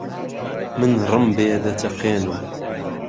من ڕمبێ دهچهقێنم